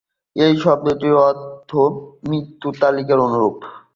এই শব্দটির অর্থ মৃত্যু তালিকার অনুরূপ।